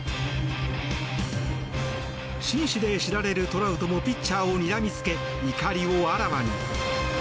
紳士で知られるトラウトもピッチャーをにらみつけ怒りをあらわに。